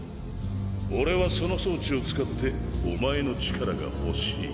俺はその装置を使ってお前の力が欲しい。